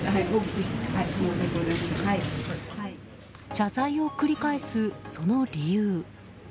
謝罪を繰り返す、その理由。